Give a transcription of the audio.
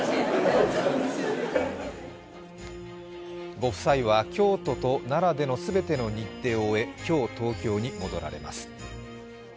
ご夫妻は京都と奈良での全ての日程を終え、今日、東京に戻られます。